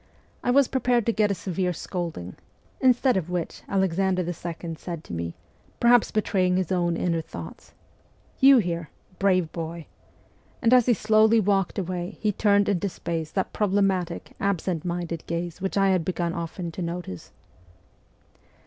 I was prepared to get a severe scolding, instead of which Alexander II /said to me, perhaps betraying his own inner thoughts :' You here ? Brave boy !' and as he slowly walked away he turned into space that proble matic, absent minded gaze which I had begun often to notice.